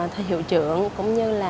thầy hiệu trưởng cũng như là